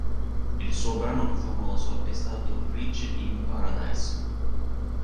Il suo brano più famoso è stato "Rich in Paradise".